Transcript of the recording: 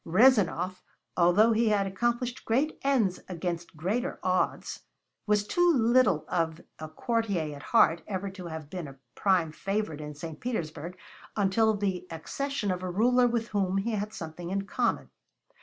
Rezanov, although he had accomplished great ends against greater odds, was too little of a courtier at heart ever to have been a prime favorite in St. Petersburg until the accession of a ruler with whom he had something in common.